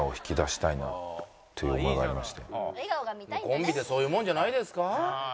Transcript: コンビってそういうもんじゃないですか？